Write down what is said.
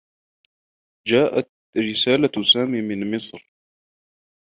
جاءت رسالة سامي من مصر.